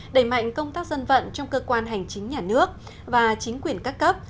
đẩy mạnh công tác dân vận trong cơ quan hành chính nhà nước và chính quyền các cấp